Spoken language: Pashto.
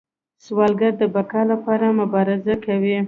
سوالګر د بقا لپاره مبارزه کوي